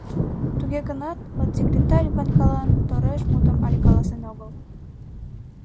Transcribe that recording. Туге гынат отсекретарь Ванькалан тореш мутым але каласен огыл.